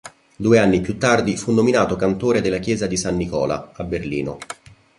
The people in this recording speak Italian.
Due anni più tardi fu nominato cantore della chiesa di San Nicola, a Berlino.